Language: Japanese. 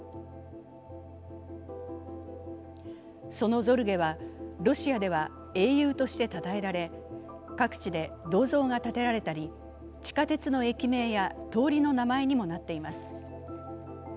そのゾルゲは、ロシアでは英雄としてたたえられ各地で銅像が立てられたり地下鉄の駅名や通りの名前にもなっています。